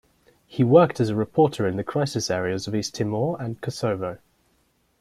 He worked as a reporter in the crisis areas of East Timor and Kosovo.